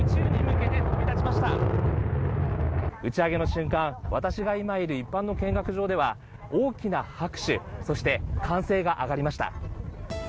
打ち上げの瞬間、私が今いる一般の見学場では大きな拍手、そして歓声が上がりました。